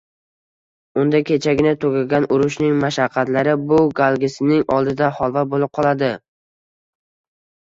Unda kechagina tugagan urushning mashaqqatlari bu galgisining oldida holva bo‘lib qoladi